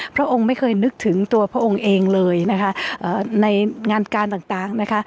พระองค์ไม่เคยนึกถึงตัวพระองค์เองเลยในงานการต่าง